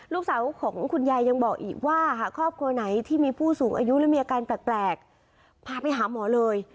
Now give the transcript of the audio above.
ลูกสาวของคุณยายยังบอกอีกว่าหากครอบครัวไหนที่มีผู้สูงอายุและมีอาการแปลกพาไปหาหมอเลย